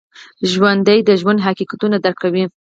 ژوندي د ژوند حقیقتونه درک کوي